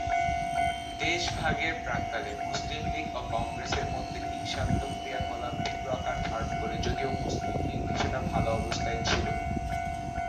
দেশভাগের প্রাক্কালে, মুসলিম লীগ ও কংগ্রেসের মধ্যে হিংসাত্মক ক্রিয়াকলাপ তীব্র আকার ধারণ করে, যদিও মুসলিম লীগ কিছুটা ভালো অবস্থায় ছিল।